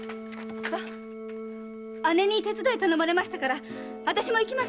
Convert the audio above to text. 義姉に手伝い頼まれましたからあたしも行きます。